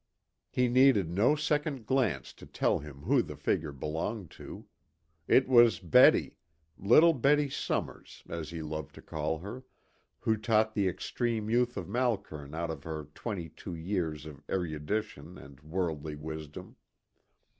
He needed no second glance to tell him who the figure belonged to. It was Betty little Betty Somers, as he loved to call her who taught the extreme youth of Malkern out of her twenty two years of erudition and worldly wisdom.